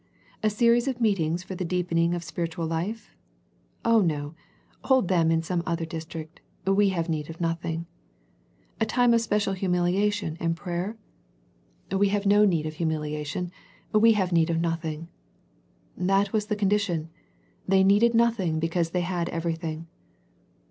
A series of meetings for the deepening of spirit ual life? Oh no, hold them in some other dis trict, we have need of nothing. A time of special humiliation and prayer? We have no 200 A First Century Message need of humiliation, we have need of nothing. That was the condition. They needed nothing because they had everything.